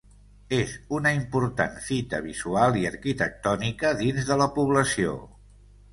És una important fita visual i arquitectònica dins de la població.